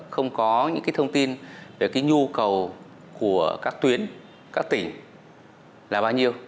không có những cái thông tin về cái nhu cầu của các tuyến các tỉnh là bao nhiêu